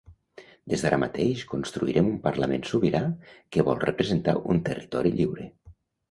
Des d’ara mateix construirem un parlament sobirà que vol representar un territori lliure.